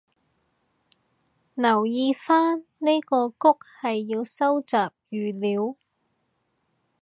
留意返呢個谷係要收集語料